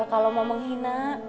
kalau mau menghina